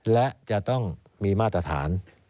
และจะต้องมีมาตรฐาน